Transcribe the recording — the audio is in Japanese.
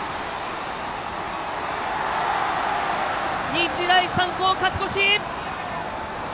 日大三高、勝ち越し！